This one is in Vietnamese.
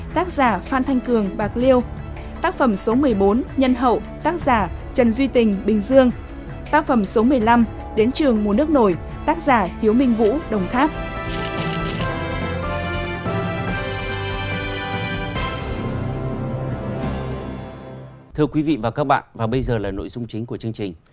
thưa quý vị và các bạn bây giờ là nội dung chính của chương trình